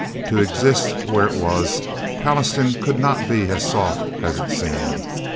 To exist where it was, Pallastown could not be as soft as it seemed.